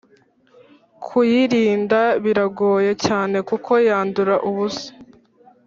kuyirinda biragoye cyane kuko yandura ubusa